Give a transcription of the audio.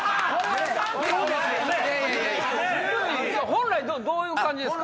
本来どういう感じですか？